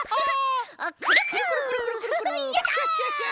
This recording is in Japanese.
クシャシャシャ！